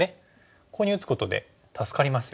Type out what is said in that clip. ここに打つことで助かりますよね。